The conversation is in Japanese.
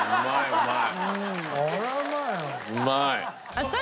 うまい。